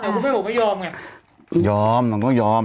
เดี๋ยวพี่พี่บอกไม่ยอมไงยอมนางต้องยอม